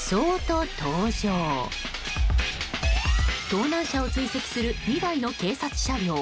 盗難車を追跡する２台の警察車両。